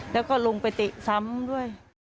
แล้วก็ลงไปเตะซ้ำด้วย